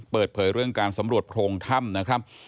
เปิดเผยเรื่องการสำรวจโพรงถ้ำนะครับ